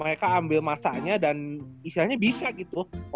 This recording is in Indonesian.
mereka ambil masanya dan istilahnya bisa gitu ya